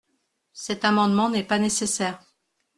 Cet amendement n’est pas nécessaire.